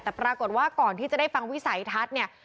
แต่ปรากฏว่าก่อนที่จะได้ฟังวิสัยทัศน์เนี่ย